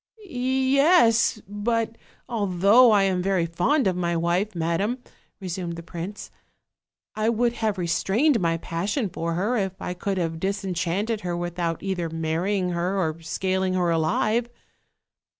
"Yes! but although I am very fond of my wife, madam," resumed the prince, "I would have restrained my passion for her, if I could have disenchanted her without either marrying her or scaling her alive."